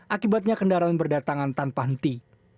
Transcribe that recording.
akibatnya kendaraan berdatangan tanpa henti